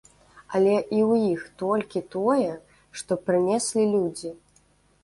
Але і ў іх толькі тое, што прынеслі людзі.